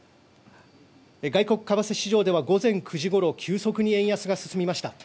外国為替市場では午前９時ごろ急速に円安が進みました。